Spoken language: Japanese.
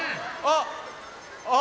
あっ。